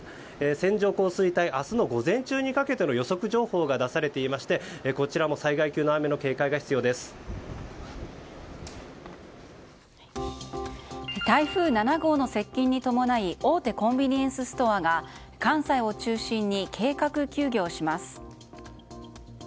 線状降水帯明日の午前中にかけての予測情報が出されていてこちらも災害級の雨の警戒が台風７号の接近に伴い大手コンビニエンスストアが関西を中心に計画休業します。